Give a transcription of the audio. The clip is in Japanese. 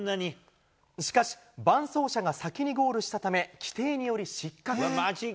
しかし、伴走者が先にゴールしたため、規定により失格。